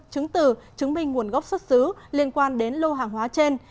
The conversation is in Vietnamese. chứng từ chứng minh nguồn gốc xuất xứ liên quan đến lô hàng hóa trên